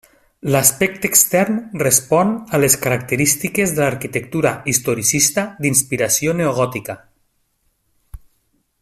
L'aspecte extern respon a les característiques de l'arquitectura historicista d'inspiració neogòtica.